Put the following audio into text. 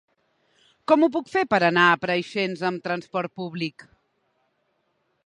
Com ho puc fer per anar a Preixens amb trasport públic?